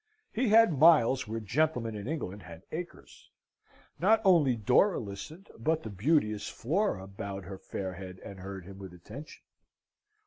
He had miles where gentlemen in England had acres. Not only Dora listened but the beauteous Flora bowed her fair head and heard him with attention.